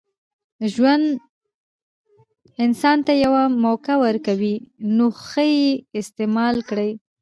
ژوند انسان ته یوه موکه ورکوي، نوښه ئې استعیمال کړئ!